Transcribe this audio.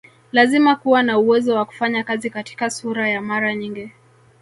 Lazima kuwa na uwezo wa kufanya kazi katika sura ya mara nyingi